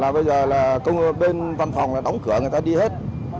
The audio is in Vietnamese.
bây giờ bên văn phòng đã đóng cửa người ta đi hết